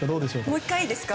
もう１回いいですか？